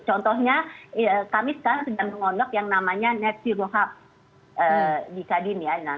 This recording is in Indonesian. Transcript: contohnya kami sekarang sedang mengondok yang namanya net zero hub di kadin ya